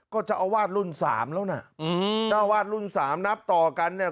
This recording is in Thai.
ก็เจ้าอาวาสรุ่นสามแล้วน่ะอืมเจ้าวาดรุ่นสามนับต่อกันเนี่ย